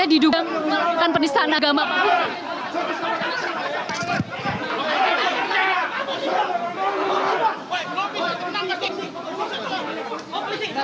bapak diduga melakukan penistanan agama